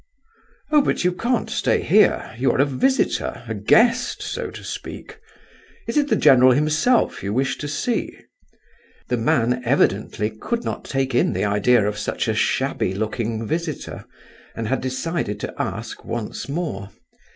"Oh, but you can't stay here. You are a visitor—a guest, so to speak. Is it the general himself you wish to see?" The man evidently could not take in the idea of such a shabby looking visitor, and had decided to ask once more.